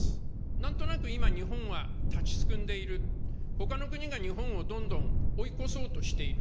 なんとなく今、日本は立ちすくんでいる、ほかの国が日本をどんどん追い越そうとしている。